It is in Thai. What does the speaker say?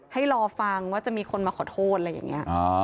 ให้รอฟังว่าจะมีคนมาขอโทษอะไรอย่างนี้